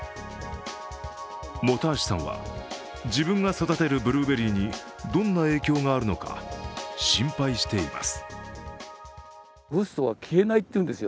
本橋さんは、自分が育てるブルーベリーにどんな影響があるのか、心配しています。